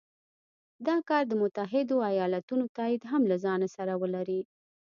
دا کار د متحدو ایالتونو تایید هم له ځانه سره ولري.